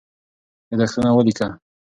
یادښتونه ولیکه.